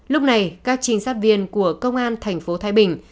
lúc này các trinh sát viên của công an thành phố thái bình